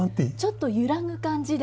ちょっと揺らぐ感じで。